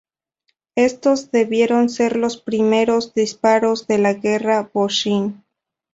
Estos debieron ser los primeros disparos de la Guerra Boshin.